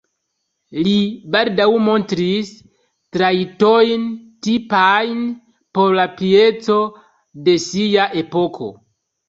Li baldaŭ montris trajtojn tipajn por la pieco de sia epoko.